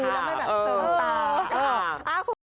แล้วไม่แบบเติมตา